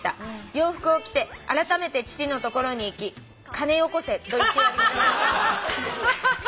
「洋服を着てあらためて父の所に行き『金よこせ』と言ってやりました」